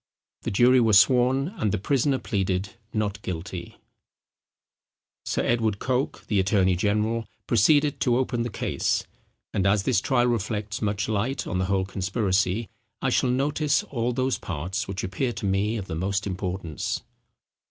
The jury were sworn, and the prisoner pleaded not guilty. Sir Edward Coke, the attorney general, proceeded to open the case: and as this trial reflects much light on the whole conspiracy, I shall notice all those parts which appear to me of the most importance.